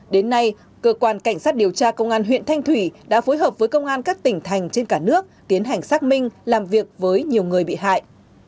đến nay cơ quan cảnh sát điều tra công an huyện thanh thủy đã phối hợp với công an các tỉnh thành trên cả nước tiến hành xác minh làm việc với nhiều người bị hại